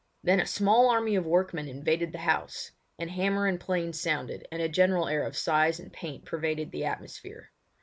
Then a small army of workmen invaded the house; and hammer and plane sounded, and a general air of size and paint pervaded the atmosphere.